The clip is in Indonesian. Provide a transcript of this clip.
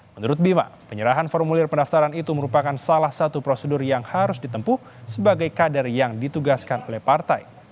menurut bima penyerahan formulir pendaftaran itu merupakan salah satu prosedur yang harus ditempuh sebagai kader yang ditugaskan oleh partai